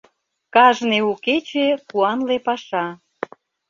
Кажне у кече — куанле паша.